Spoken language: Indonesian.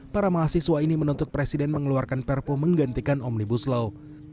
para mahasiswa ini menuntut presiden mengeluarkan perpu menggantikan omnibus law